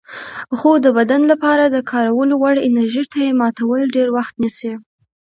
خو د بدن لپاره د کارولو وړ انرژي ته یې ماتول ډېر وخت نیسي.